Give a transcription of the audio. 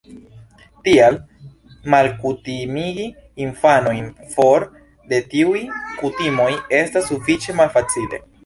Tial, malkutimigi infanojn for de tiuj kutimoj estas sufiĉe malfacile.